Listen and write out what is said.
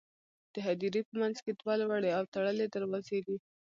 د هدیرې په منځ کې دوه لوړې او تړلې دروازې دي.